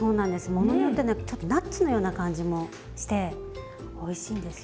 ものによってねちょっとナッツのような感じもしておいしいんですよね。